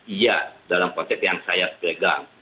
iya dalam konsep yang saya pegang